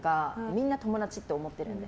みんな友達って思ってるんで。